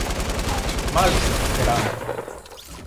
Μάλιστα, κερά μου!